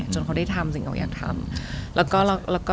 จนเขาได้ทำสิ่งที่เขาอยากทำ